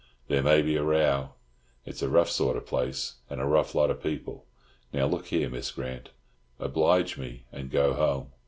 There may be a row. It's a rough sort of place, and a rough lot of people. Now look here, Miss Grant, oblige me and go home.